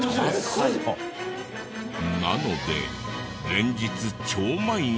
なので連日超満員。